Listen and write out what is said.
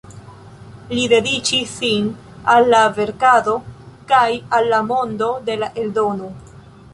Li dediĉis sin al la verkado kaj al la mondo de la eldono.